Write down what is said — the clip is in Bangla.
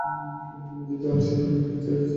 মসজিদটি আল-শিবানী চার্চ-স্কুলের পূর্বে অবস্থিত।